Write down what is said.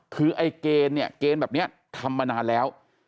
คือไอ้เกณฑ์แบบนี้ทำมานานแล้ว